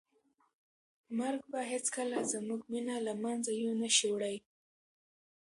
مرګ به هیڅکله زموږ مینه له منځه یو نه شي وړی.